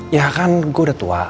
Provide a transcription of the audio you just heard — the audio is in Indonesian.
ya kan gue udah tua